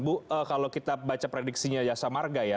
bu kalau kita baca prediksinya ya samarga ya